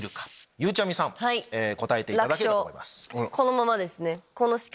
ゆうちゃみさん答えていただければと思います。